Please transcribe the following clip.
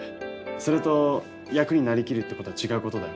それと役になりきるってことは違うことだよ。